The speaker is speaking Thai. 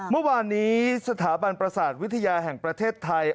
เมื่อวานนี้สถาบันประสาทวิทยาแห่งประเทศไทย